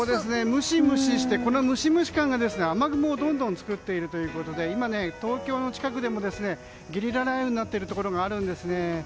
ムシムシしてこのムシムシ感が雨雲をどんどん作っているということで今、東京の近くでもゲリラ雷雨になっているところがあるんですね。